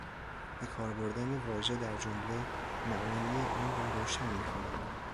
به کار بردن واژه در جمله معانی آن را روشن میکند.